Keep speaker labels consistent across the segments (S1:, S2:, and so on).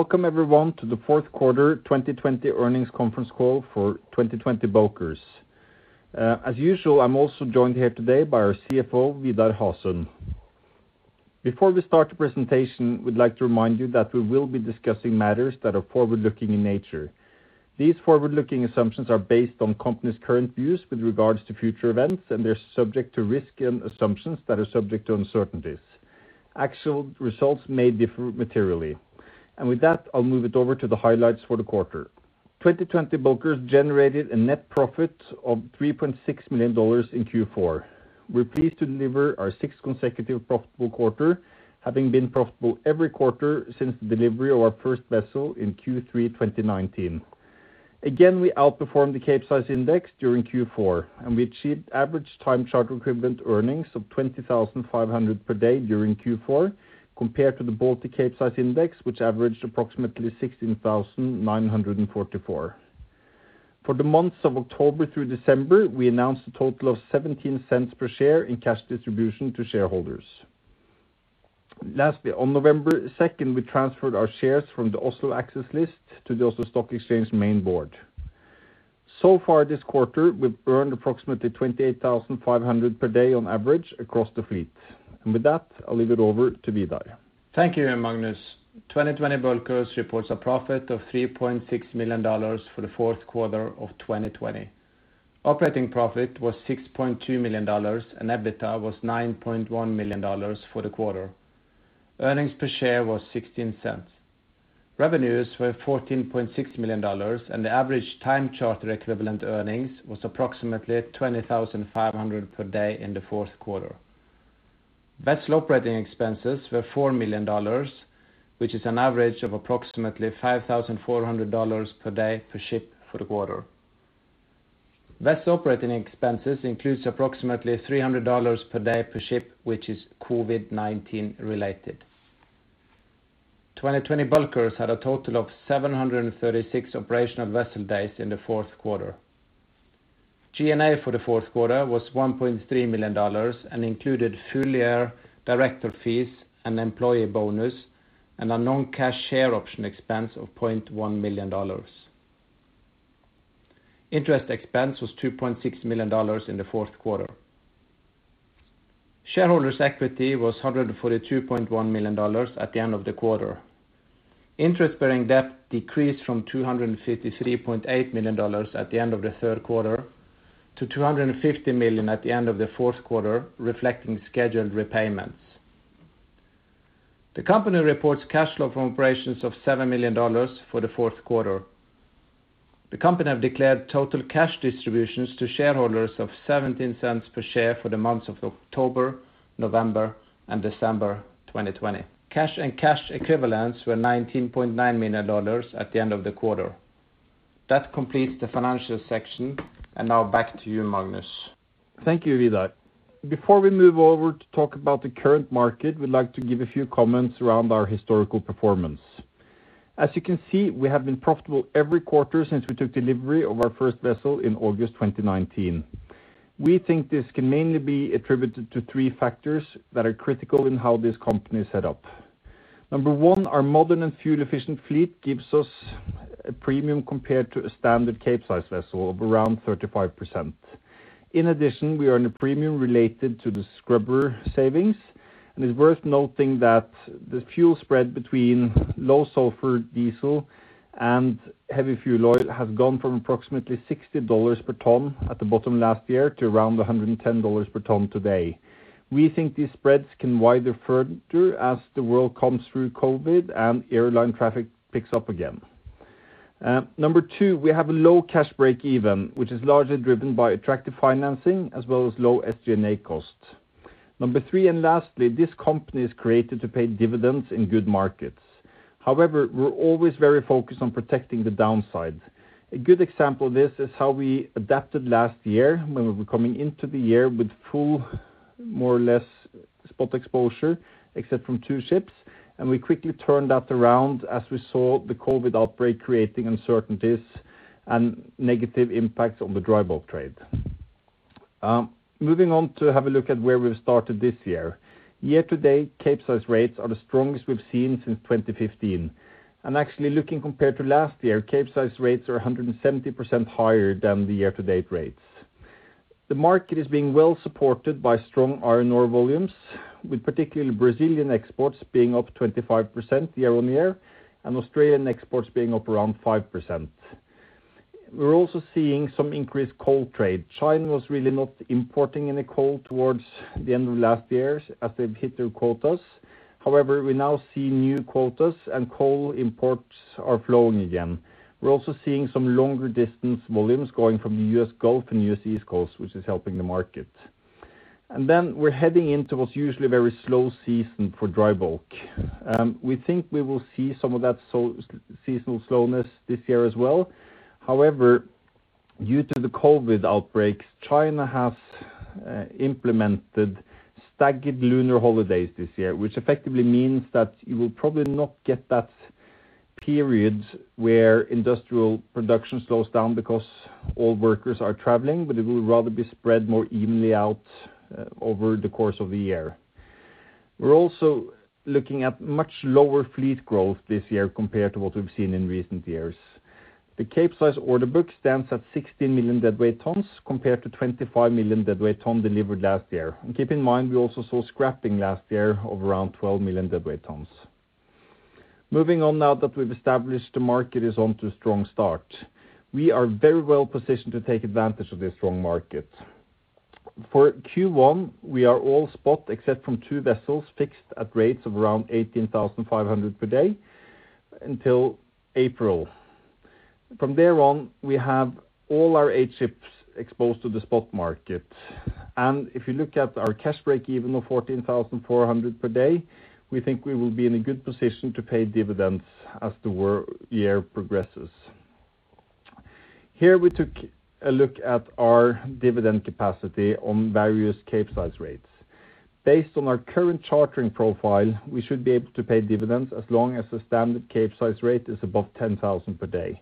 S1: Welcome everyone to the fourth quarter 2020 earnings conference call for 2020 Bulkers. As usual, I'm also joined here today by our CFO, Vidar Hasund. Before we start the presentation, we'd like to remind you that we will be discussing matters that are forward-looking in nature. These forward-looking assumptions are based on the company's current views with regards to future events, and they're subject to risk and assumptions that are subject to uncertainties. Actual results may differ materially. With that, I'll move it over to the highlights for the quarter. 2020 Bulkers generated a net profit of $3.6 million in Q4. We're pleased to deliver our sixth consecutive profitable quarter, having been profitable every quarter since the delivery of our first vessel in Q3 2019. Again, we outperformed the Capesize Index during Q4, and we achieved average time charter equivalent earnings of $20,500 per day during Q4 compared to the Baltic Capesize Index, which averaged approximately $16,944. For the months of October through December, we announced a total of $0.17 per share in cash distribution to shareholders. Lastly, on November 2nd, we transferred our shares from the Oslo Axess list to the Oslo Stock Exchange main board. So far this quarter, we've earned approximately $28,500 per day on average across the fleet. With that, I'll leave it over to Vidar.
S2: Thank you, Magnus. 2020 Bulkers reports a profit of $3.6 million for the fourth quarter of 2020. Operating profit was $6.2 million, and EBITDA was $9.1 million for the quarter. Earnings per share was $0.16. Revenues were $14.6 million, and the average time charter equivalent earnings was approximately $20,500 per day in the fourth quarter. Vessel operating expenses were $4 million, which is an average of approximately $5,400 per day per ship for the quarter. Vessel operating expenses includes approximately $300 per day per ship, which is COVID-19 related. 2020 Bulkers had a total of 736 operational vessel days in the fourth quarter. G&A for the fourth quarter was $1.3 million and included full year director fees and employee bonus and a non-cash share option expense of $0.1 million. Interest expense was $2.6 million in the fourth quarter. Shareholders' equity was $142.1 million at the end of the quarter. Interest-bearing debt decreased from $253.8 million at the end of the third quarter to $250 million at the end of the fourth quarter, reflecting scheduled repayments. The company reports cash flow from operations of $7 million for the fourth quarter. The company have declared total cash distributions to shareholders of $0.17 per share for the months of October, November, and December 2020. Cash and cash equivalents were $19.9 million at the end of the quarter. That completes the financial section. Now back to you, Magnus.
S1: Thank you, Vidar. Before we move over to talk about the current market, we'd like to give a few comments around our historical performance. As you can see, we have been profitable every quarter since we took delivery of our first vessel in August 2019. We think this can mainly be attributed to three factors that are critical in how this company is set up. Number one, our modern and fuel-efficient fleet gives us a premium compared to a standard Capesize vessel of around 35%. In addition, we earn a premium related to the scrubber savings, and it's worth noting that the fuel spread between low sulfur diesel and heavy fuel oil has gone from approximately $60 per ton at the bottom last year to around $110 per ton today. We think these spreads can widen further as the world comes through COVID and airline traffic picks up again. Number two, we have a low cash breakeven, which is largely driven by attractive financing as well as low SG&A cost. Number three, lastly, this company is created to pay dividends in good markets. However, we're always very focused on protecting the downside. A good example of this is how we adapted last year when we were coming into the year with full, more or less spot exposure, except from two ships, and we quickly turned that around as we saw the COVID outbreak creating uncertainties and negative impacts on the dry bulk trade. Moving on to have a look at where we've started this year. Year-to-date, Capesize rates are the strongest we've seen since 2015. Actually looking compared to last year, Capesize rates are 170% higher than the year-to-date rates. The market is being well supported by strong iron ore volumes, with particularly Brazilian exports being up 25% year-over-year and Australian exports being up around 5%. We're also seeing some increased coal trade. China was really not importing any coal towards the end of last year as they've hit their quotas. We now see new quotas and coal imports are flowing again. We're also seeing some longer distance volumes going from the U.S. Gulf and U.S. East Coast, which is helping the market. We're heading into what's usually a very slow season for dry bulk. We think we will see some of that seasonal slowness this year as well. However, due to the COVID outbreak, China has implemented staggered lunar holidays this year, which effectively means that you will probably not get that period where industrial production slows down because all workers are traveling, but it will rather be spread more evenly out over the course of the year. We're also looking at much lower fleet growth this year compared to what we've seen in recent years. The Capesize order book stands at 16 million deadweight tons compared to 25 million deadweight tons delivered last year. Keep in mind, we also saw scrapping last year of around 12 million deadweight tons. Moving on now that we've established the market is onto a strong start. We are very well positioned to take advantage of this strong market. For Q1, we are all spot except from two vessels fixed at rates of around $18,500 per day until April. From there on, we have all our eight ships exposed to the spot market. If you look at our cash breakeven of $14,400 per day, we think we will be in a good position to pay dividends as the year progresses. Here we took a look at our dividend capacity on various Capesize rates. Based on our current chartering profile, we should be able to pay dividends as long as the standard Capesize rate is above $10,000 per day.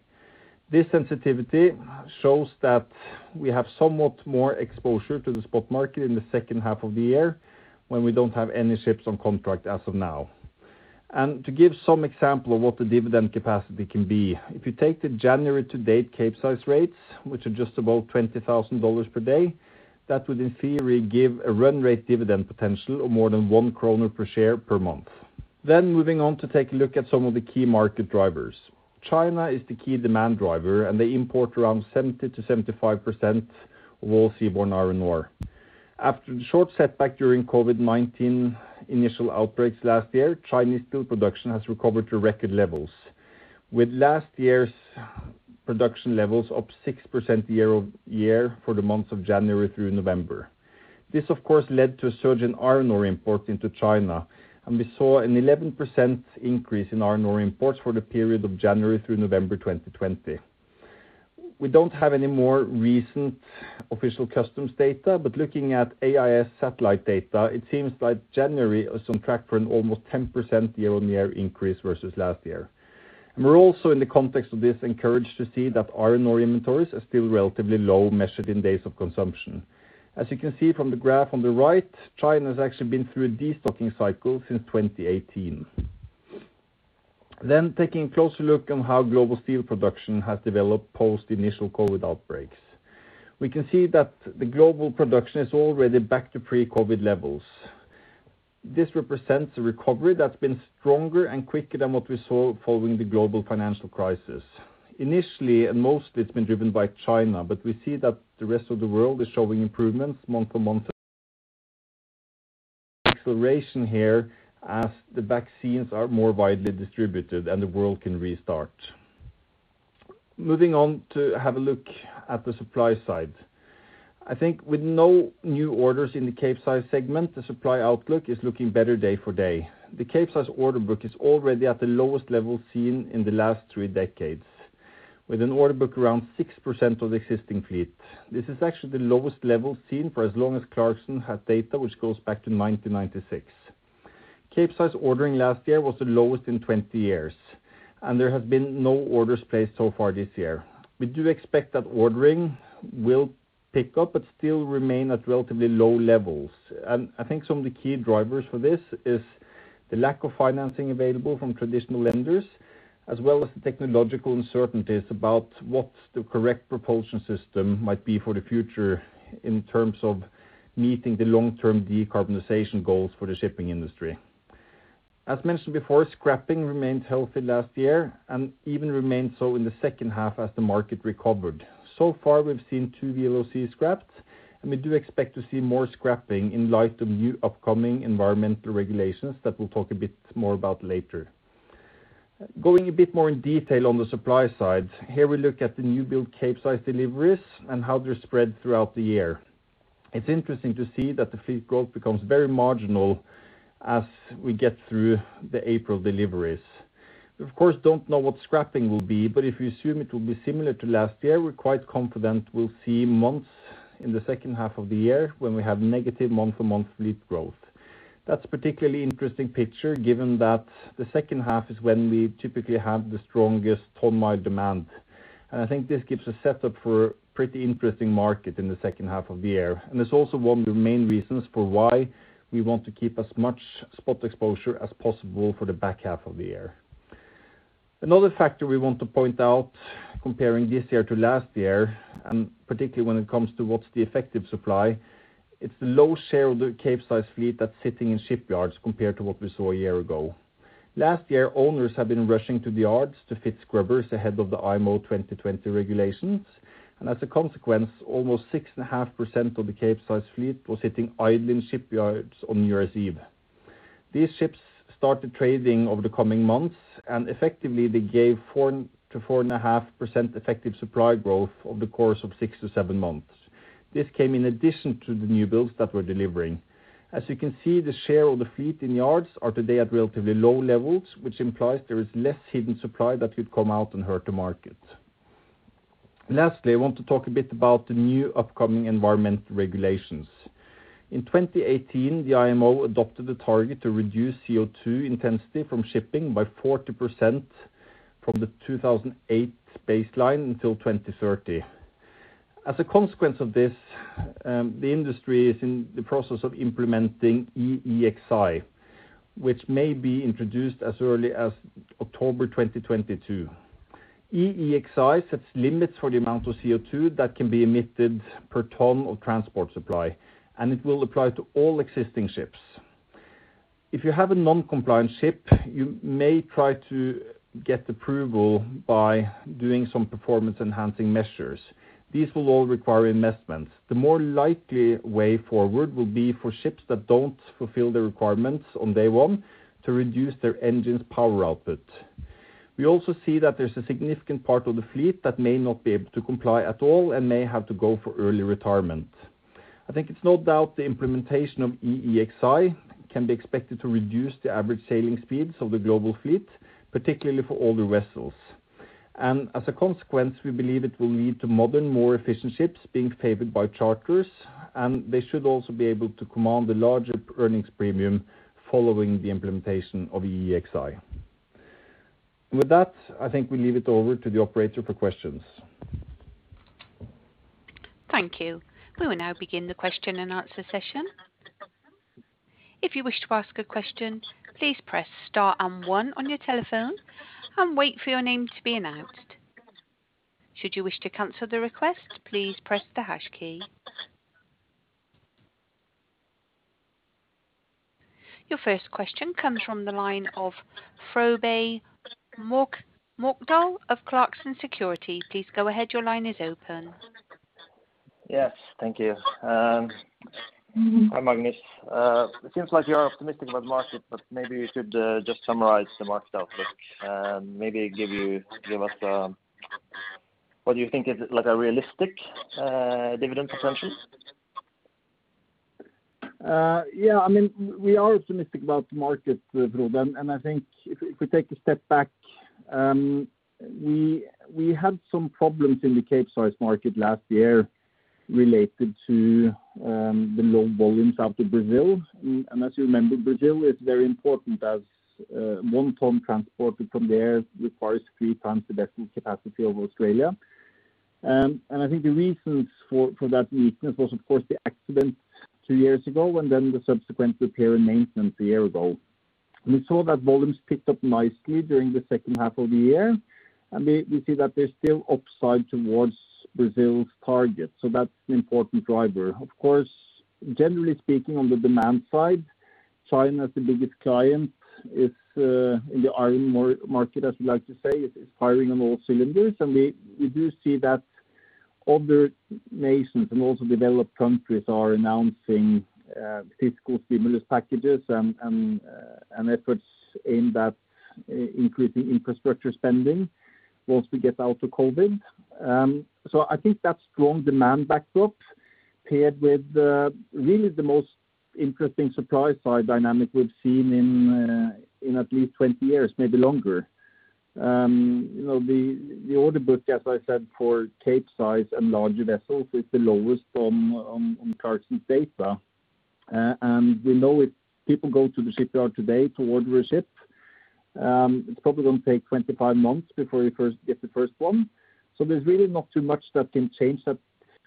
S1: This sensitivity shows that we have somewhat more exposure to the spot market in the second half of the year when we don't have any ships on contract as of now. To give some example of what the dividend capacity can be, if you take the January to date Capesize rates, which are just about $20,000 per day, that would in theory give a run rate dividend potential of more than one kroner per share per month. Moving on to take a look at some of the key market drivers. China is the key demand driver, and they import around 70%-75% of all seaborne iron ore. After the short setback during COVID-19 initial outbreaks last year, Chinese steel production has recovered to record levels with last year's production levels up 6% year-over-year for the months of January through November. This, of course, led to a surge in iron ore imports into China, and we saw an 11% increase in iron ore imports for the period of January through November 2020. We don't have any more recent official customs data, but looking at AIS satellite data, it seems like January is on track for an almost 10% year-on-year increase versus last year. We're also, in the context of this, encouraged to see that iron ore inventories are still relatively low, measured in days of consumption. As you can see from the graph on the right, China has actually been through a destocking cycle since 2018. Taking a closer look on how global steel production has developed post the initial COVID outbreaks. We can see that the global production is already back to pre-COVID levels. This represents a recovery that's been stronger and quicker than what we saw following the global financial crisis. Initially, and mostly, it's been driven by China, but we see that the rest of the world is showing improvements month-over-month. Acceleration here as the vaccines are more widely distributed, and the world can restart. Moving on to have a look at the supply side. I think with no new orders in the Capesize segment, the supply outlook is looking better day for day. The Capesize order book is already at the lowest level seen in the last three decades, with an order book around 6% of the existing fleet. This is actually the lowest level seen for as long as Clarkson had data, which goes back to 1996. Capesize ordering last year was the lowest in 20 years, and there have been no orders placed so far this year. We do expect that ordering will pick up but still remain at relatively low levels. I think some of the key drivers for this is the lack of financing available from traditional lenders, as well as the technological uncertainties about what the correct propulsion system might be for the future in terms of meeting the long-term decarbonization goals for the shipping industry. As mentioned before, scrapping remained healthy last year and even remained so in the second half as the market recovered. So far, we've seen two VLOC scrapped, and we do expect to see more scrapping in light of new upcoming environmental regulations that we'll talk a bit more about later. Going a bit more in detail on the supply side, here we look at the new build Capesize deliveries and how they're spread throughout the year. It's interesting to see that the fleet growth becomes very marginal as we get through the April deliveries. We of course, don't know what scrapping will be, but if you assume it will be similar to last year, we're quite confident we'll see months in the second half of the year when we have negative month-to-month fleet growth. That's particularly interesting picture given that the second half is when we typically have the strongest ton-mile demand. I think this gives a setup for a pretty interesting market in the second half of the year. It's also one of the main reasons for why we want to keep as much spot exposure as possible for the back half of the year. Another factor we want to point out comparing this year to last year, and particularly when it comes to what's the effective supply, it's the low share of the Capesize fleet that's sitting in shipyards compared to what we saw a year ago. Last year, owners have been rushing to the yards to fit scrubbers ahead of the IMO 2020 regulations. As a consequence, almost 6.5% of the Capesize fleet was sitting idle in shipyards on New Year's Eve. These ships started trading over the coming months. Effectively, they gave 4%-4.5% effective supply growth over the course of six to seven months. This came in addition to the new builds that we're delivering. As you can see, the share of the fleet in yards are today at relatively low levels, which implies there is less hidden supply that could come out and hurt the market. Lastly, I want to talk a bit about the new upcoming environmental regulations. In 2018, the IMO adopted the target to reduce CO2 intensity from shipping by 40% from the 2008 baseline until 2030. As a consequence of this, the industry is in the process of implementing EEXI, which may be introduced as early as October 2022. EEXI sets limits for the amount of CO2 that can be emitted per ton of transport supply, and it will apply to all existing ships. If you have a non-compliant ship, you may try to get approval by doing some performance-enhancing measures. These will all require investments. The more likely way forward will be for ships that don't fulfill the requirements on day one to reduce their engine's power output. We also see that there's a significant part of the fleet that may not be able to comply at all and may have to go for early retirement. I think it's no doubt the implementation of EEXI can be expected to reduce the average sailing speeds of the global fleet, particularly for older vessels. As a consequence, we believe it will lead to modern, more efficient ships being favored by charters, and they should also be able to command a larger earnings premium following the implementation of EEXI. With that, I think we leave it over to the operator for questions.
S3: Thank you. We will now begin the question and answer session. Your first question comes from the line of Frode Mørkedal of Clarksons Securities. Please go ahead. Your line is open.
S4: Yes. Thank you. Hi, Magnus. It seems like you are optimistic about the market, maybe you could just summarize the market outlook and maybe give us what you think is a realistic dividend potential.
S1: Yeah, we are optimistic about the market, Frode. I think if we take a step back, we had some problems in the Capesize market last year related to the low volumes out of Brazil. As you remember, Brazil is very important as one ton transported from there requires three tons of vessel capacity over Australia. I think the reasons for that weakness was, of course, the accident two years ago, and then the subsequent repair and maintenance one year ago. We saw that volumes picked up nicely during the second half of the year, and we see that there's still upside towards Brazil's target. That's an important driver. Of course, generally speaking, on the demand side, China is the biggest client. It's in the iron market, as we like to say, it is firing on all cylinders. We do see that other nations and also developed countries are announcing fiscal stimulus packages and efforts in that increasing infrastructure spending once we get out of COVID. I think that strong demand backdrop paired with really the most interesting supply side dynamic we've seen in at least 20 years, maybe longer. The order book, as I said, for Capesize and larger vessels is the lowest on Clarksons data. We know if people go to the shipyard today to order a ship, it's probably going to take 25 months before you get the first one. There's really not too much that can change that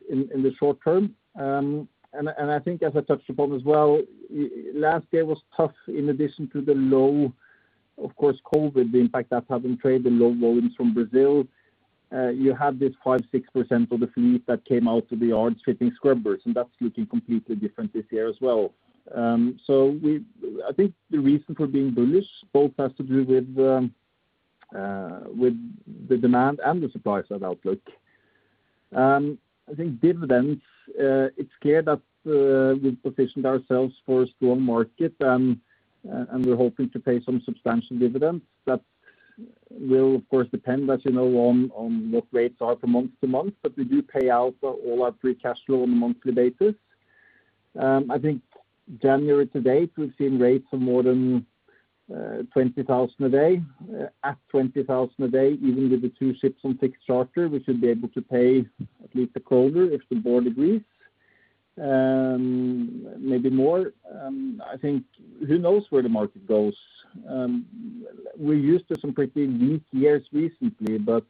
S1: in the short term. I think as I touched upon as well, last year was tough. In addition to the low, of course COVID, the impact that's had on trade, the low volumes from Brazil, you had this 5%-6% of the fleet that came out to the yards fitting scrubbers, and that's looking completely different this year as well. I think the reason for being bullish both has to do with the demand and the supply side outlook. I think dividends, it's clear that we've positioned ourselves for a strong market and we're hoping to pay some substantial dividends. That will, of course, depend, as you know, on what rates are from month to month. We do pay out all our free cash flow on a monthly basis. I think January to date, we've seen rates of more than $20,000 a day. At $20,000 a day, even with the two ships on fixed charter, we should be able to pay at least a quarter if the board agrees. Maybe more. I think who knows where the market goes? We're used to some pretty weak years recently, but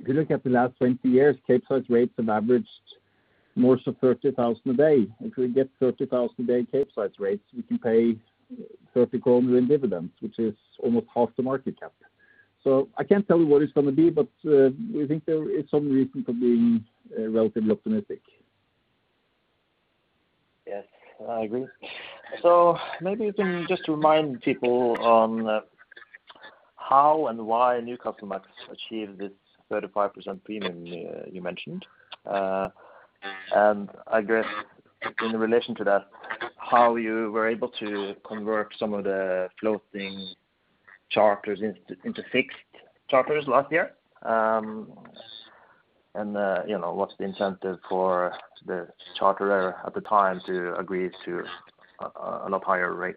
S1: if you look at the last 20 years, Capesize rates have averaged more so $30,000 a day. If we get $30,000 a day Capesize rates, we can pay $30,000 in dividends, which is almost half the market cap. I can't tell you what it's going to be, but we think there is some reason for being relatively optimistic.
S4: Yes, I agree. Maybe you can just remind people on how and why Newcastlemax achieved this 35% premium you mentioned. I guess in relation to that, how you were able to convert some of the floating charters into fixed charters last year. What's the incentive for the charterer at the time to agree to a lot higher rate?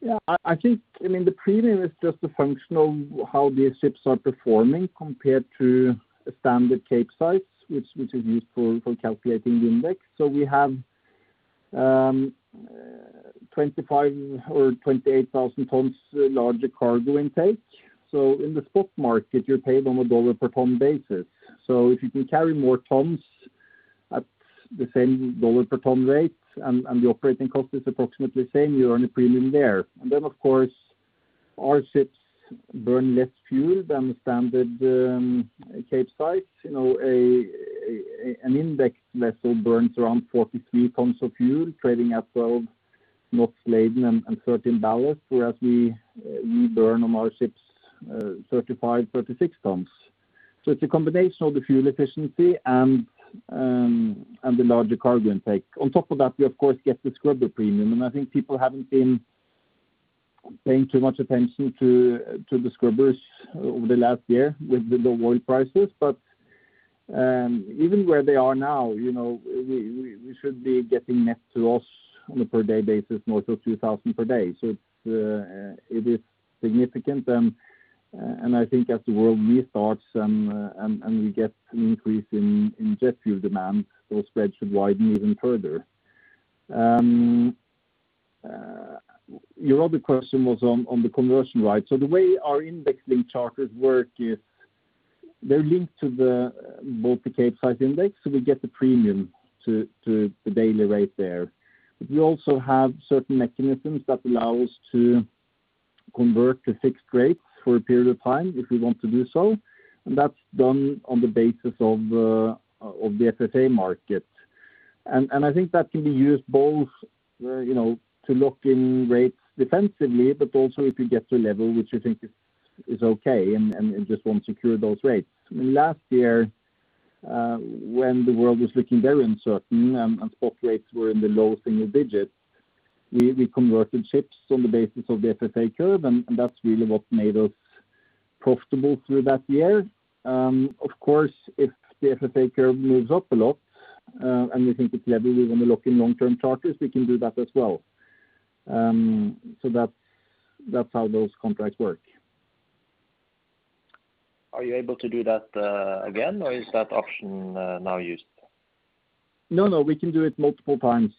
S1: Yeah, I think the premium is just a function of how these ships are performing compared to a standard Capesize, which is used for calculating the index. We have 25,000 or 28,000 tons larger cargo intake. In the spot market, you're paid on a dollar per ton basis. If you can carry more tons at the same dollar per ton rate and the operating cost is approximately the same, you earn a premium there. Of course, our ships burn less fuel than the standard Capesize. An index vessel burns around 43 tons of fuel, trading at 12 knots laden and 13 ballast, whereas we burn on our ships 35, 36 tons. It's a combination of the fuel efficiency and the larger cargo intake. On top of that, we of course get the scrubber premium, and I think people haven't been paying too much attention to the scrubbers over the last year with the low oil prices. Even where they are now, we should be getting net to us on a per day basis north of $2,000 per day. It is significant, and I think as the world restarts and we get an increase in jet fuel demand, those spreads should widen even further. Your other question was on the conversion rate. The way our indexing charters work is they're linked to the Baltic Capesize Index, so we get the premium to the daily rate there. We also have certain mechanisms that allow us to convert to fixed rates for a period of time if we want to do so, and that's done on the basis of the FFA market. I think that can be used both to lock in rates defensively, but also if you get to a level which you think is okay and just want to secure those rates. I mean, last year, when the world was looking very uncertain and spot rates were in the low single digits, we converted ships on the basis of the FFA curve, and that's really what made us profitable through that year. Of course, if the FFA curve moves up a lot and we think it's level we want to lock in long-term charters, we can do that as well. That's how those contracts work.
S4: Are you able to do that again, or is that option now used?
S1: We can do it multiple times.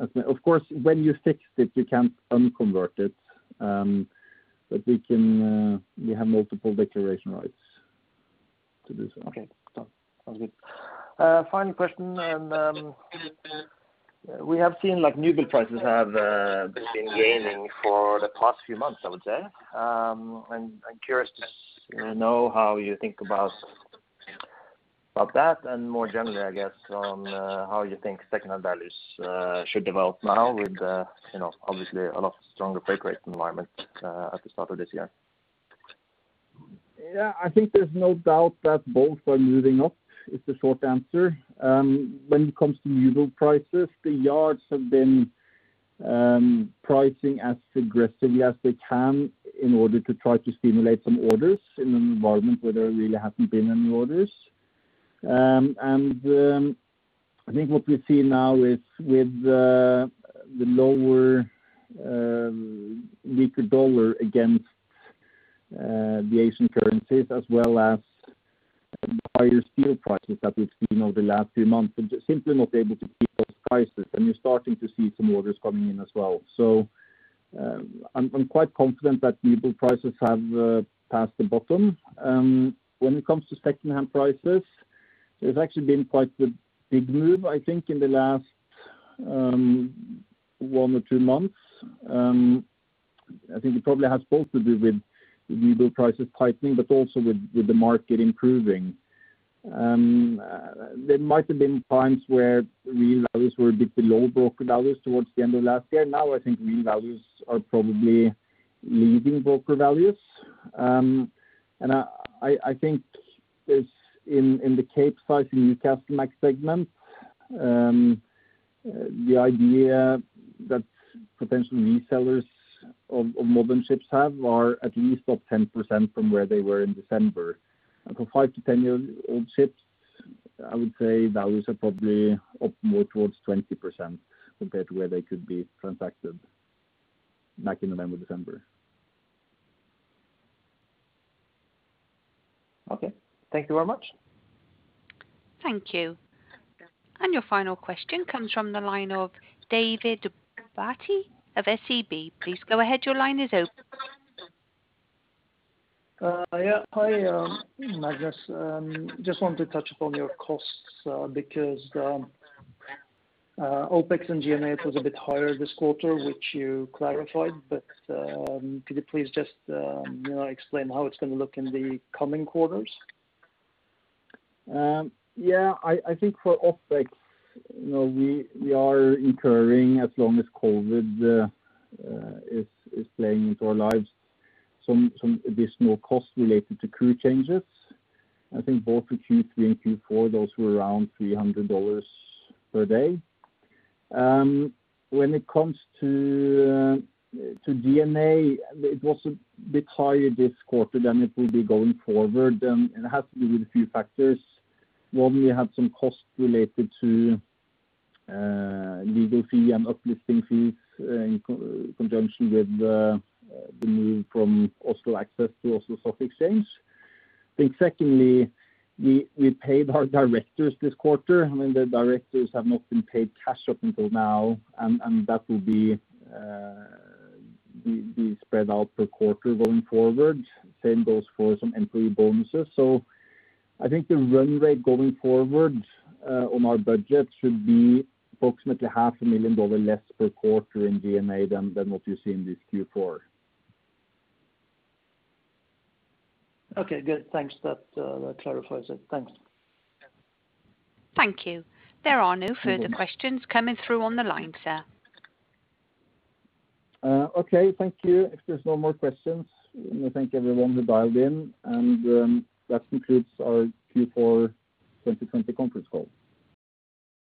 S1: Of course, when you fix it, you can't un-convert it, but we have multiple declaration rights to do so.
S4: Okay. Sounds good. Final question. We have seen newbuild prices have been gaining for the past few months, I would say. I'm curious to know how you think about that and more generally, I guess, on how you think secondhand values should develop now with obviously a lot stronger freight rate environment at the start of this year.
S1: Yeah. I think there's no doubt that both are moving up, is the short answer. When it comes to newbuild prices, the yards have been pricing as aggressively as they can in order to try to stimulate some orders in an environment where there really hasn't been any orders. I think what we see now is with the lower weaker dollar against the Asian currencies, as well as the higher steel prices that we've seen over the last few months, they're just simply not able to keep those prices. We're starting to see some orders coming in as well. I'm quite confident that newbuild prices have passed the bottom. When it comes to secondhand prices, there's actually been quite the big move, I think, in the last one or two months. I think it probably has both to do with newbuild prices tightening, also with the market improving. There might have been times where real values were a bit below broker values towards the end of last year. Now, I think real values are probably leading broker values. I think in the Capesize and Newcastlemax segment the idea that potential resellers of modern ships have are at least up 10% from where they were in December. For five to 10-year-old ships, I would say values are probably up more towards 20% compared to where they could be transacted back in November, December.
S4: Okay. Thank you very much.
S3: Thank you. Your final question comes from the line of David Bhatti of SEB. Please go ahead. Your line is open.
S5: Yeah. Hi, Magnus. Just wanted to touch upon your costs, because, OpEx and G&A was a bit higher this quarter, which you clarified. Could you please just explain how it's going to look in the coming quarters?
S1: Yeah, I think for OpEx we are incurring as long as COVID is playing into our lives some additional costs related to crew changes. I think both for Q3 and Q4, those were around $300 per day. When it comes to G&A, it was a bit higher this quarter than it will be going forward, and it has to do with a few factors. One, we had some costs related to legal fee and up-listing fees in conjunction with the move from Oslo Axess to Oslo Stock Exchange. I think secondly, we paid our directors this quarter. I mean, the directors have not been paid cash up until now, and that will be spread out per quarter going forward. Same goes for some employee bonuses. I think the run rate going forward on our budget should be approximately $500,000 less per quarter in G&A than what you see in this Q4.
S5: Okay, good. Thanks. That clarifies it. Thanks.
S3: Thank you. There are no further questions coming through on the line, sir.
S1: Okay, thank you. If there's no more questions, I want to thank everyone who dialed in, and that concludes our Q4 2020 conference call.